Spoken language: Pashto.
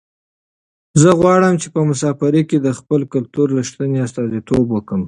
زه غواړم چې په مسافرۍ کې د خپل کلتور رښتنې استازیتوب وکړم.